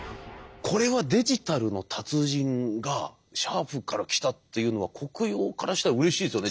これはデジタルの達人がシャープから来たというのはコクヨからしたらうれしいですよね